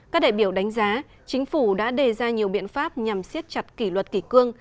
các đại biểu đánh giá chính phủ đã đề ra nhiều biện pháp nhằm siết chặt kỷ luật kỷ cương